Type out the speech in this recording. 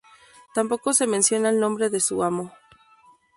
Tampoco se menciona el nombre de su amo.